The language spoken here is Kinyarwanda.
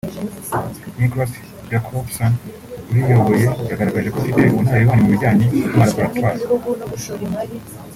Niclas Joconbson uriyoboye yagaragaje ko bafite ubunararibonye mu bijyanye n’amalaboratwari